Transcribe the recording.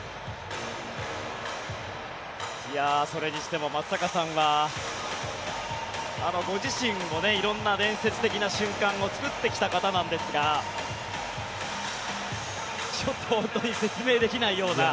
それにしても松坂さんはご自身も色んな伝説的な瞬間を作ってきた方なんですがちょっと説明できないような。